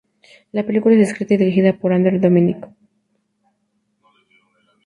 La película es escrita y dirigida por Andrew Dominik.